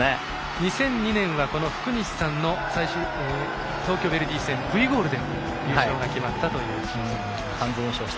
２００２年は福西さんの東京ヴェルディ戦Ｖゴールで優勝が決まったということですね。